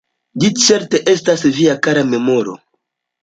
Ĝi certe estas via kara memoro.